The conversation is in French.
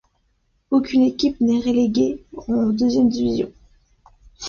Aucune équipe n'est reléguée en deuxième division.